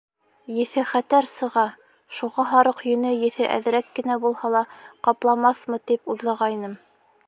Еҫе хәтәр сыға, шуға һарыҡ йөнө еҫе әҙерәк кенә булһа ла ҡапламаҫмы, тип уйлағайным.